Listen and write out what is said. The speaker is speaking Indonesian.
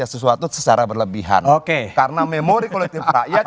sesuatu secara berlebihan karena memori politik rakyat